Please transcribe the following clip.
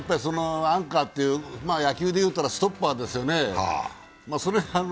アンカーっていう、野球でいったらストッパーですよね。